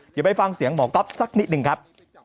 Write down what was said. เดี๋ยวไปฟังเสียงหมอก๊อฟสักนิดหนึ่งครับ